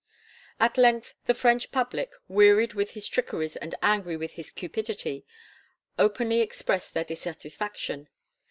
At length the French public, wearied with his trickeries and angry with his cupidity, openly expressed their dissatisfaction.